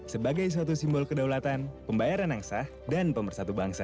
sebagai suatu simbol kedaulatan pembayaran yang sah dan pemersatu bangsa